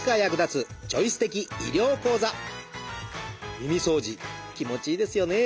耳掃除気持ちいいですよね。